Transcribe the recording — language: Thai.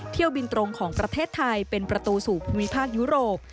เที่ยวบินตรงของประเทศไทยเป็นประตูสู่ภูมิภาคยุโรป